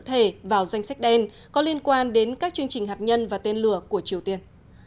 một mươi hai cá nhân và bốn thực thể vào danh sách đen có liên quan đến các chương trình hạt nhân và tên lửa của triều tiên